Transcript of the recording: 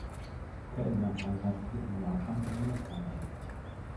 Kellner heiratete in Japan eine Japanerin.